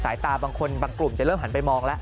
ตาบางคนบางกลุ่มจะเริ่มหันไปมองแล้ว